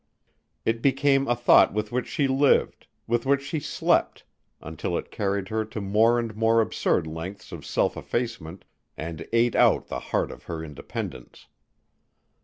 It became a thought with which she lived, with which she slept, until it carried her to more and more absurd lengths of self effacement and ate out the heart of her independence.